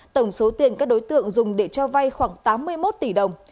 tổng số tiền các đối tượng dùng để cho vay khoảng tám mươi một tỷ đồng